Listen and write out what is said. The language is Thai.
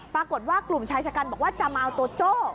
ปรากฏว่ากลุ่มชายชะกันบอกว่าจะมาเอาตัวโจ้